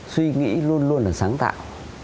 suy nghĩ luôn luôn là sáng tạo